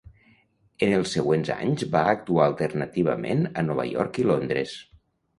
En els següents anys va actuar alternativament a Nova York i Londres.